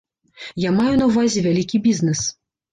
Я маю на ўвазе вялікі бізнес.